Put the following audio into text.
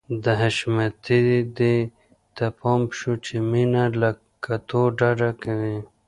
د حشمتي دې ته پام شو چې مينه له کتو ډډه کوي.